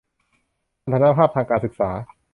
สถานภาพทางการศึกษา